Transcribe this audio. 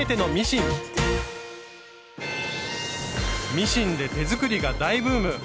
ミシンで手作りが大ブーム。